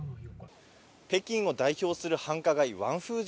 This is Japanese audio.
北京を代表する繁華街、わんふー